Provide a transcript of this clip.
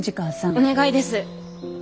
お願いです。